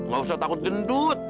gak usah takut gendut